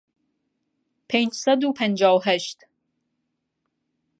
پێنج سەد و پەنجا و هەشت